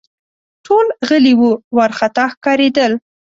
ټول غلي وه ، وارخطا ښکارېدل